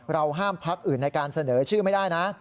ห้ามพักอื่นในการเสนอชื่อไม่ได้นะ